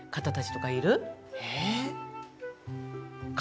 えっ？